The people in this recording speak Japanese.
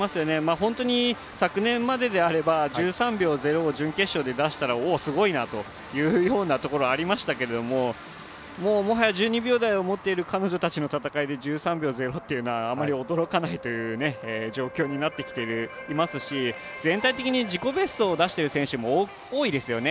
本当に、昨年までなら１３秒０を準決勝で出したらすごいなというところがありましたけれどももはや１２秒台を持っている彼女たちの戦いで１３秒０はあまり驚かない状況になっていますし全体的に自己ベストを出している選手も多いですよね。